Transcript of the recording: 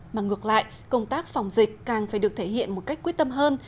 mà ngược lại công tác phòng dịch càng phải được thể hiện một cách quyết tâm hơn